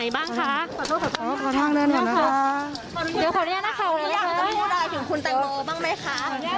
อยากจะพูดอะไรถึงคุณแต่งโมนะคะ